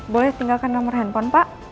boleh tinggalkan nomor handphone pak